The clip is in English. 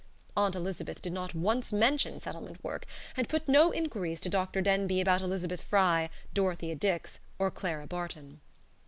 Aunt Elizabeth did not once mention settlement work, and put no inquiries to Dr. Denbigh about Elizabeth Frye, Dorothea Dix, or Clara Barton.